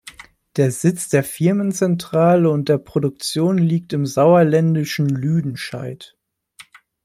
Der Sitz der Firmenzentrale und der Produktion liegt im sauerländischen Lüdenscheid.